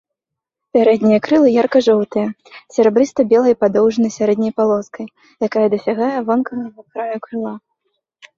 Пярэднія крылы ярка-жоўтыя, з серабрыста-белай падоўжнай сярэдняй палоскай, якая дасягае вонкавага краю крыла.